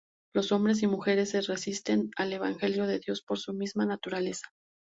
Los hombres y mujeres se resisten al evangelio de Dios por su misma naturaleza.